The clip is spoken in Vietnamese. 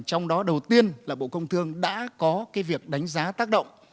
trong đó đầu tiên là bộ công thường đã có việc đánh giá tác động